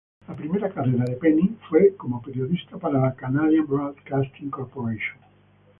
La primera carrera de Penny fue como periodista para la Canadian Broadcasting Corporation.